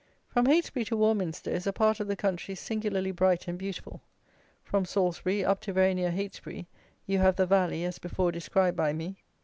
From Heytesbury to Warminster is a part of the country singularly bright and beautiful. From Salisbury up to very near Heytesbury, you have the valley, as before described by me.